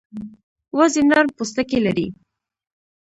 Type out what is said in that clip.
وزې نرم پوستکی لري